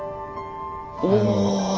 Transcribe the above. お！